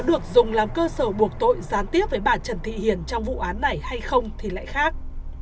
được dùng làm cơ sở buộc tội gián tiếp với bà trần thị hiền trong vụ án này hay không thì lại khác